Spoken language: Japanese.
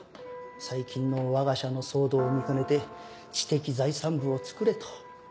最近のわが社の騒動を見かねて知的財産部をつくれと。